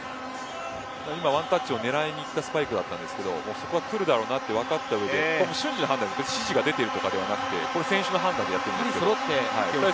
ワンタッチを狙いにいったスパイクだったんですけどそこはくるだろうと分かった上で瞬時の判断で指示が出ているということではなくて選手の判断でやっていますね。